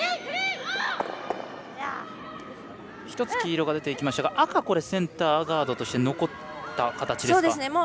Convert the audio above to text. １つ黄色が出ていきましたが赤が１つセンターガードとして残った形ですか。